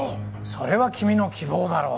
それは君の希望だろう。